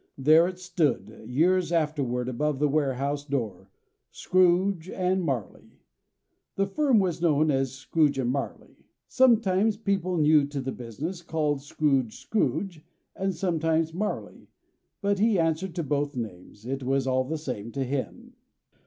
There it stood, years afterward, above the warehouse door: Scrooge and Marley. The firm was known as Scrooge and Marley. Sometimes people new to the business called Scrooge Scrooge, and sometimes Marley, but he answered to both names. It was all the same to him.